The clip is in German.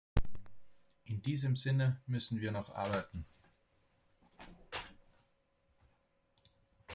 In diesem Sinne müssen wir noch arbeiten.